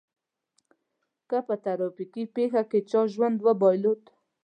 که په ترافيکي پېښه کې چا ژوند وبایلود.